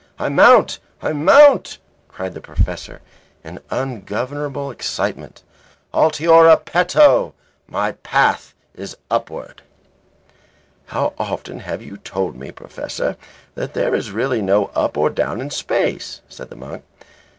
I mount! I mount!" cried the professor in ungovernable excitement. "Altiora peto. My path is upward." "How often have you told me, Professor, that there is really no up or down in space?" said the monk.